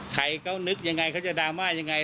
ใครเขานึกยังไงเขาจะดราม่ายังไง